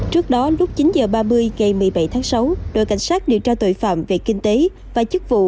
trước đó lúc chín h ba mươi ngày một mươi bảy tháng sáu đội cảnh sát điều tra tội phạm về kinh tế và chức vụ